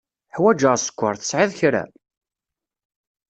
Ḥwaǧeɣ sskeṛ. Tesεiḍ kra?